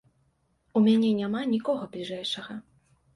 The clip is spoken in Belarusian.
У мяне няма нікога бліжэйшага.